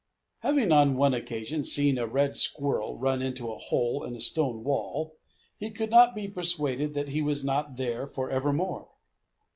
Having on one occasion seen a red squirrel run into a hole in a stone wall, he could not be persuaded that he was not there forevermore.